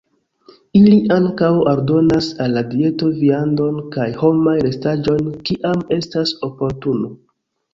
Ili ankaŭ aldonas al la dieto viandon kaj homaj restaĵojn kiam estas oportuno.